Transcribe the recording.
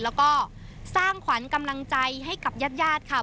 แล้วก็สร้างขวัญกำลังใจให้กับญาติญาติค่ะ